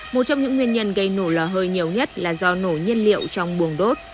một trong những nguyên nhân gây nổ lò hơi nhiều nhất là do nổ nhiên liệu trong buồng đốt